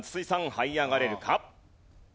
はい上がれるか？